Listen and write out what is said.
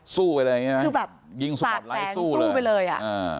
สู้ไปเลยคือแบบยิงสปอร์ตไลท์สู้เลยสู้ไปเลยอ่ะอ่า